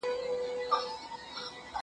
زه وخت نه تېرووم؟